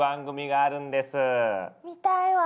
見たいわ。